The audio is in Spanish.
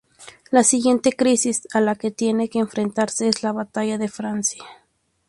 La siguiente crisis a la que tiene que enfrentarse es la batalla de Francia.